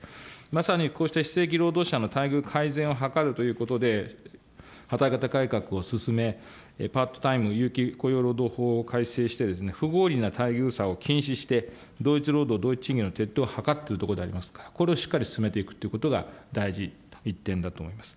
まさにこうした非正規労働者の待遇改善を図るということで、働き方改革を進め、パートタイム、有給雇用労働法を改正して不合理な待遇差を禁止して、同一労働同一賃金の徹底をはかっているところでありますから、これをしっかり図っていくということが大事、一点だと思います。